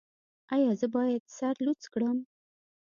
ایا زه باید سر لوڅ کړم؟